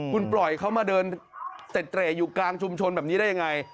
คุณปล่อยเขามาเดินเต็ดเตร่อยู่กลางชุมชนแบบนี้ได้ยังไง